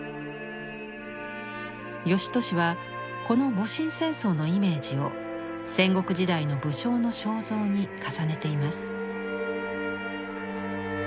芳年はこの戊辰戦争のイメージを戦国時代の武将の肖像に重ねています。